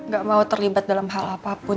gak mau terlibat dalam hal apapun